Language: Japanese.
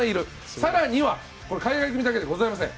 更には海外組だけではございません。